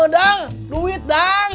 dang duit dang